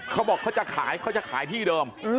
เขาบอกเขาจะขายเขาจะขายที่เดิม